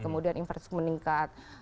kemudian infrastruktur meningkat